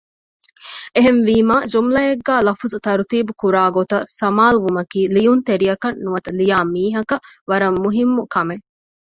އެހެންވީމާ ޖުމުލައެއްގައި ލަފުޒު ތަރުތީބު ކުރާ ގޮތަށް ސަމާލުވުމަކީ ލިޔުންތެރިއަކަށް ނުވަތަ ލިޔާ މީހަކަށް ވަރަށް މުހިއްމު ކަމެއް